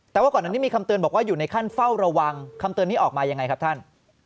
แต่ว่าก่อนอันนี้มีคำเตือนบอกว่าอยู่ในขั้นเฝ้าระวังคำเตือนนี้ออกมายังไงครับท่าน